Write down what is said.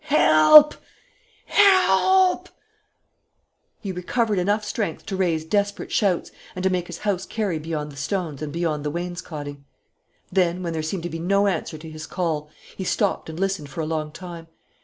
"Help! Help!" He recovered enough strength to raise desperate shouts and to make his voice carry beyond the stones and beyond the wainscoting. Then, when there seemed to be no answer to his call, he stopped and listened for a long time.